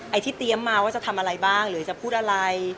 ที่เตรียมมาว่าจะทำอะไรบ้างหรือจะพูดอะไร